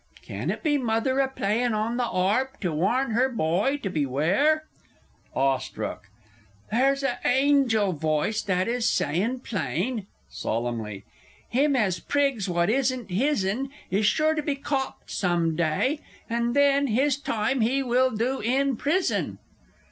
_ Can it be mother a playin' on the 'arp to warn her boy to beware? (Awestruck.) There's a angel voice that is sayin' plain (solemnly) "Him as prigs what isn't his'n, Is sure to be copped some day and then his time he will do in prison!"